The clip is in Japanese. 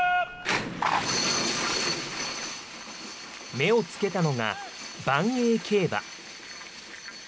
目をつけたのが、ばんえい競馬。